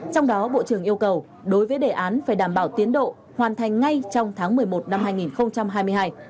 trong đó bộ trưởng yêu cầu đối với đề án phải đảm bảo tiến độ hoàn thành ngay trong tháng một mươi một năm hai nghìn hai mươi hai